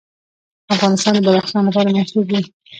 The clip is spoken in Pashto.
افغانستان د بدخشان لپاره مشهور دی.